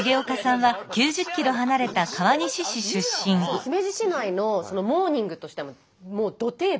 姫路市内のモーニングとしてはもうど定番。